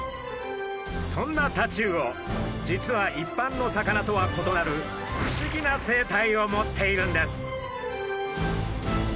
そんなタチウオ実は一般の魚とは異なる不思議な生態を持っているんです。